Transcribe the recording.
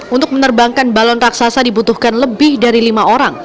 untuk menerbangkan balon raksasa dibutuhkan lebih dari lima orang